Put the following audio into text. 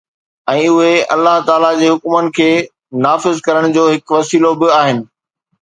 ۽ اهي الله تعاليٰ جي حڪمن کي نافذ ڪرڻ جو هڪ وسيلو به آهن